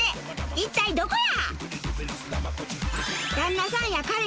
一体どこや？